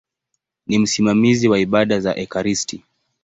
Ni msimamizi wa ibada za ekaristi.